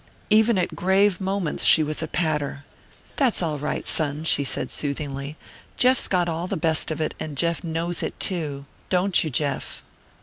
Even at grave moments she was a patter. "That's all right, Son," she said soothingly. "Jeff's got all the best of it, and Jeff knows it, too. Don't you, Jeff?"